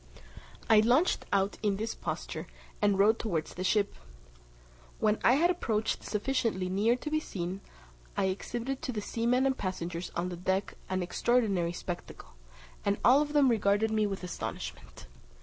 I launched out in this posture, and rowed towards the ship. When I had approached sufficiently near to be seen, I exhibited to the seamen and passengers on the deck an extraordinary spectacle, and all of them regarded me with astonishment.